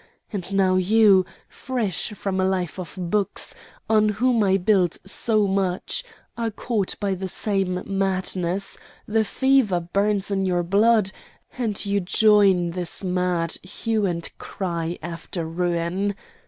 And now you, fresh from a life of books, on whom I built so much, are caught by the same madness, the fever burns in your blood, and you join this mad hue and cry after ruin.